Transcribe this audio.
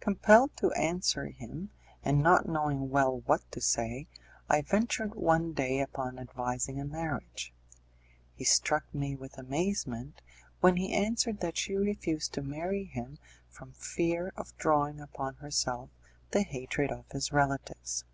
Compelled to answer him, and not knowing well what to say, I ventured one day upon advising a marriage. He struck me with amazement when he answered that she refused to marry him from fear of drawing upon herself the hatred of his relatives.